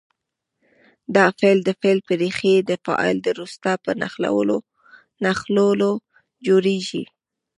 دا فعل د فعل په ریښې د فاعل د روستارو په نښلولو جوړیږي.